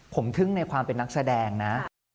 ผมทึ่งในความเป็นนักแสดงนะ